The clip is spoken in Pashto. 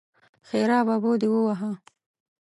ښېرا: ببو دې ووهه!